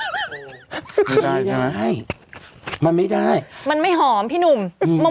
ไม่ได้ไม่ได้มันไม่ได้มันไม่หอมพี่หนุ่มอืม